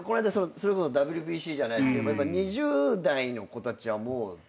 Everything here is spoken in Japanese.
それこそＷＢＣじゃないっすけど２０代の子たちは伸び伸びですよ。